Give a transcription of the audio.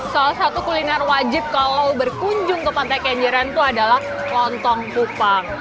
salah satu kuliner wajib kalau berkunjung ke pantai kenjeran itu adalah lontong kupang